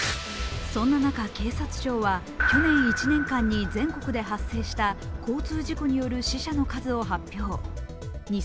そんな中、警察庁は去年１年間に全国で発生した交通事故による死者の数を発表。